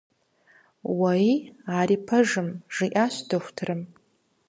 Уэи, ари пэжым, - жиӀащ дохутырым.